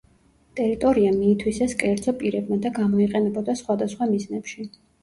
ტერიტორია მიითვისეს კერძო პირებმა და გამოიყენებოდა სხვადასხვა მიზნებში.